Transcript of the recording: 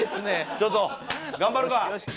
ちょっと頑張るか！